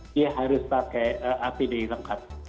dia harus pakai apd lengkap